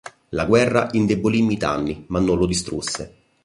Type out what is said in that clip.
La guerra indebolì Mitanni ma non lo distrusse.